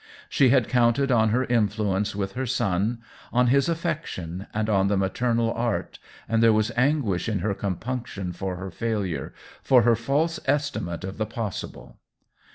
She had counted on her influence with her son, on his affec tion, and on the maternal art, and there was anguish in her compunction for her failure, for her false estimate of the possible.